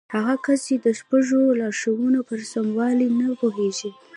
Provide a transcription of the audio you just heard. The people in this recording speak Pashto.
هغه کسان چې د شپږو لارښوونو پر سموالي نه پوهېږي.